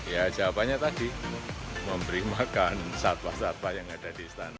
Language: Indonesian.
ya jawabannya tadi memberi makan satwa satwa yang ada di istana